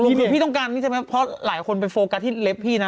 ตรงรวมคือพี่ต้องการนี่ใช่ไหมพอหลายคนไปโฟกัสที่เล็บพี่นะ